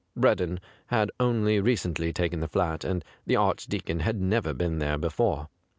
Breddon had only recently taken the flat, and the Archdeacon had never been there before.